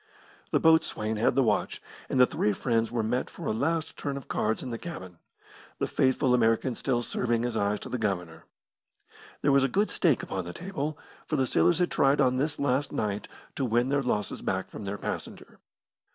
The boatswain had the watch, and the three friends were met for a last turn of cards in the cabin, the faithful American still serving as eyes to the Governor. There was a good stake upon the table, for the sailors had tried on this last night to win their losses back from their passenger.